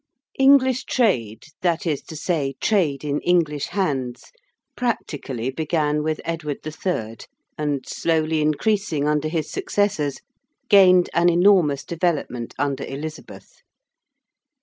English trade, that is to say, trade in English hands, practically began with Edward III. and, slowly increasing under his successors, gained an enormous development under Elizabeth.